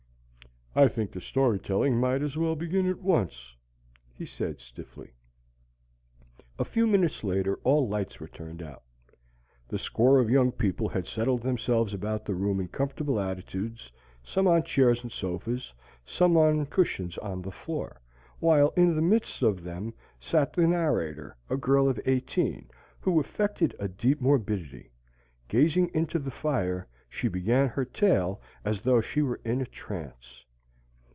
"I think the story telling might as well begin at once," he said stiffly. A few minutes later all lights were turned out. The score of young people had settled themselves about the room in comfortable attitudes, some on chairs and sofas, some on cushions on the floor, while in the midst of them sat the narrator, a girl of eighteen, who affected a deep morbidity. Gazing into the fire, she began her tale as though she were in a trance.